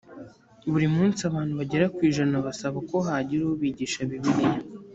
buri munsi abantu bagera ku ijana basaba ko hagira ubigisha bibiliya.